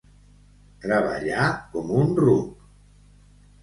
Treballar com un ruc.